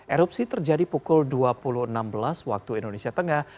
erupsi terjadi pukul dua puluh enam belas waktu indonesia tengah